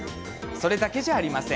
それだけじゃありません。